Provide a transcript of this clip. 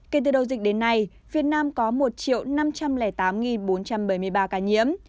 kể từ đầu dịch đến nay việt nam có một năm trăm linh tám bốn trăm bảy mươi ba ca nhiễm